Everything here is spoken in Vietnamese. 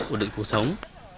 ổn định cuộc sống